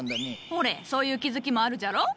ほれそういう気付きもあるじゃろ？